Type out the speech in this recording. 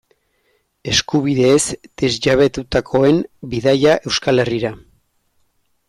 Eskubideez desjabetutakoen bidaia Euskal Herrira.